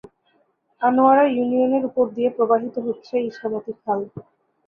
আনোয়ারা ইউনিয়নের উপর দিয়ে প্রবাহিত হচ্ছে ইছামতি খাল।